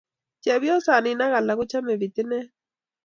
Chepyosonin ak alak kochome pitinet.